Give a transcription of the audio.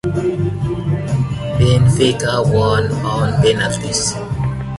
Benfica won on penalties.